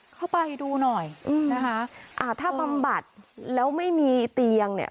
เข้าไปดูหน่อยอืมนะคะอ่าถ้าบำบัดแล้วไม่มีเตียงเนี่ย